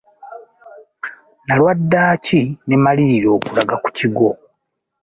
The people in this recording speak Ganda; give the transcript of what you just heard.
Nalwa ddaaki ne mmalirira okulaga ku kigo.